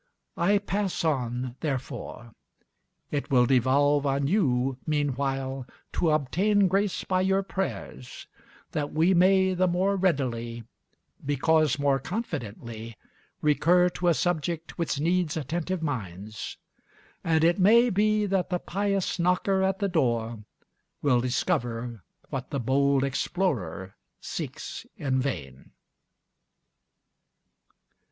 I pass on therefore. It will devolve on you, meanwhile, to obtain grace by your prayers, that we may the more readily, because more confidently, recur to a subject which needs attentive minds; and it may be that the pious knocker at the door will discover what the bold explorer seeks in vain.